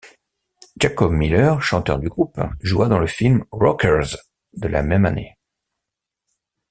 Jacob Miller, chanteur du groupe, joua dans le film Rockers, de la même année.